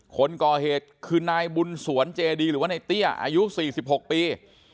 คนก่อเหตุคือนายบุญสวนเจดีหรือว่าในเตี้ยอายุ๔๖ปี